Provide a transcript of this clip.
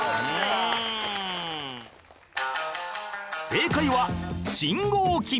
正解は信号機